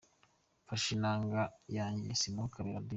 Mfashe inanga yanjye – Simon Kabera d.